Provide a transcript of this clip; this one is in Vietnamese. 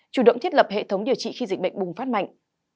chủ động thiết lập hệ thống điều trị khi dịch bệnh bùng phát mạnh